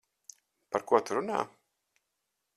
Par ko tu runā?